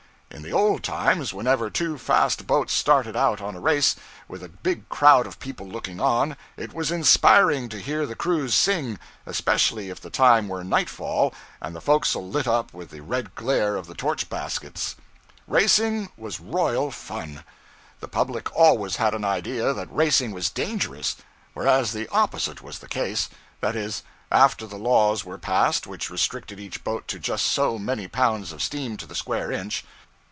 In the old times, whenever two fast boats started out on a race, with a big crowd of people looking on, it was inspiring to hear the crews sing, especially if the time were night fall, and the forecastle lit up with the red glare of the torch baskets. Racing was royal fun. The public always had an idea that racing was dangerous; whereas the opposite was the case that is, after the laws were passed which restricted each boat to just so many pounds of steam to the square inch.